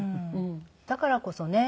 だからこそね